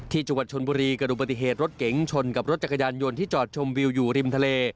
จังหวัดชนบุรีกระดูกปฏิเหตุรถเก๋งชนกับรถจักรยานยนต์ที่จอดชมวิวอยู่ริมทะเล